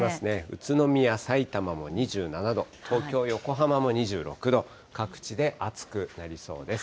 宇都宮、さいたまも２７度、東京、横浜も２６度、各地で暑くなりそうです。